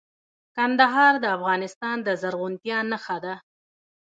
کندهار د افغانستان د زرغونتیا نښه ده.